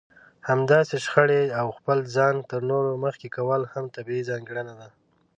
همداسې شخړه او خپل ځان تر نورو مخکې کول هم طبيعي ځانګړنه ده.